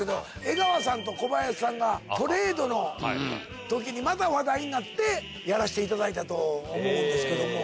江川さんと小林さんがトレードの時にまた話題になってやらせていただいたと思うんですけども。